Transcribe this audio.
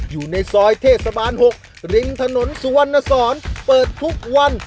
อยู่ในซอยเทศบาล๖ริมถนนสุวรรณสอนเปิดทุกวัน